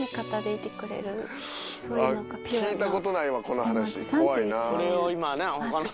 聞いたことないわこの話。